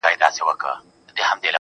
• يو زرو اوه واري مي ښكل كړلې.